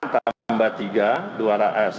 totalnya pak dengan empat training